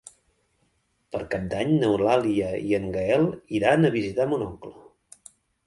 Per Cap d'Any n'Eulàlia i en Gaël iran a visitar mon oncle.